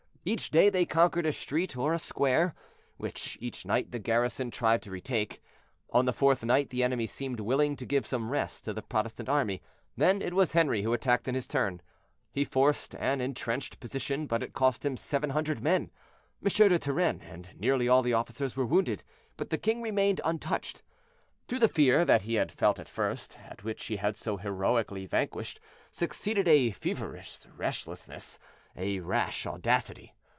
Each day they conquered a street or a square, which each night the garrison tried to retake. On the fourth night the enemy seemed willing to give some rest to the Protestant army. Then it was Henri who attacked in his turn. He forced an intrenched position, but it cost him seven hundred men. M. de Turenne and nearly all the officers were wounded, but the king remained untouched. To the fear that he had felt at first, and which he had so heroically vanquished, succeeded a feverish restlessness, a rash audacity.